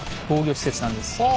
防御施設なんです。